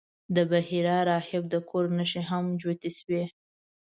د بحیرا راهب د کور نښې هم جوتې شوې.